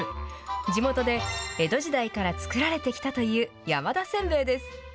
地元で江戸時代から作られてきたという山田せんべいです。